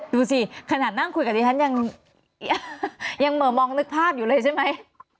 ดูสิขนาดนั่งคุยกับดิฉันยังเหมือมองนึกภาพอยู่เลยใช่ไหม